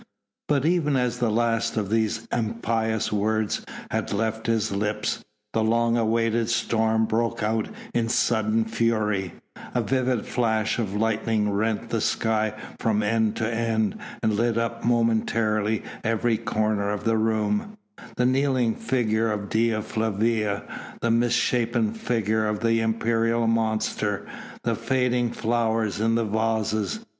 But even as the last of these impious words had left his lips, the long awaited storm broke out in sudden fury; a vivid flash of lightning rent the sky from end to end and lit up momentarily every corner of the room, the kneeling figure of Dea Flavia, the misshapen figure of the imperial monster, the fading flowers in the vases.